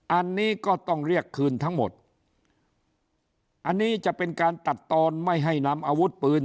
อันนี้ก็ต้องเรียกคืนทั้งหมดอันนี้จะเป็นการตัดตอนไม่ให้นำอาวุธปืน